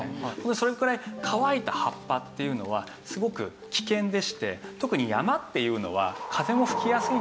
それくらい乾いた葉っぱっていうのはすごく危険でして特に山っていうのは風も吹きやすいんですよね。